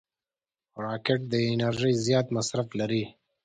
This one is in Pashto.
راکټ د انرژۍ زیات مصرف لري